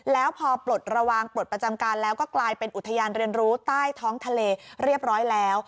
แล้วพอปลดระวังปลดประจำการแล้วก็กลายเป็นอุทยานเรียนรู้ใต้ท้องทะเลเรียบร้อยแล้ว